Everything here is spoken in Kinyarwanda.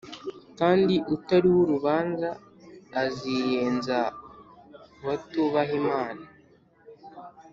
kandi utariho urubanza aziyenza ku batubaha imana